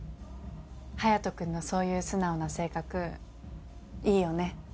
隼斗君のそういう素直な性格いいよね。